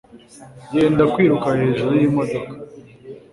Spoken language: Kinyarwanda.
Yenda kwiruka hejuru yimodoka